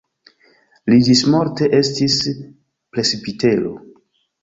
Li ĝismorte estis presbitero.